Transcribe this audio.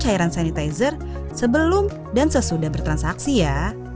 cairan sanitizer sebelum dan sesudah bertransaksi ya